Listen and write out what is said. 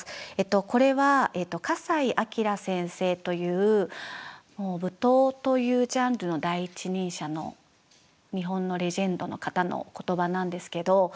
これは笠井叡先生という舞踏というジャンルの第一人者の日本のレジェンドの方の言葉なんですけど。